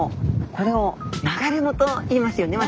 これを流れ藻といいますよね